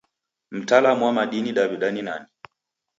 Mtalamu wa madini Daw'ida nani?